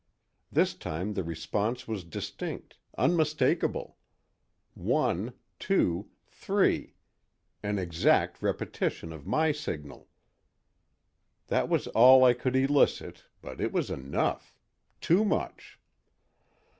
This time the response was distinct, unmistakable: one, two, three—an exact repetition of my signal. That was all I could elicit, but it was enough—too much.